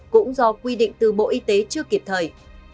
cũng do quy định từ bộ y tế chưa kịp thời